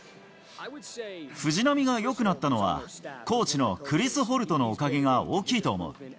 藤浪がよくなったのは、コーチのクリス・ホルトのおかげが大きいと思う。